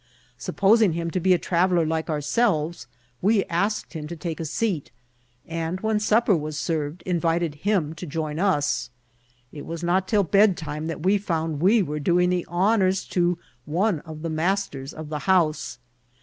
Supposing him to be a traveller like ourselves, we asked him to take a seat ; and, when supper was served, invited him to join us. It wto not till bedtime that we found we were doing the honours to one of the masters of the house.